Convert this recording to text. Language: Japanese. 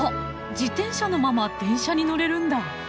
自転車のまま電車に乗れるんだ。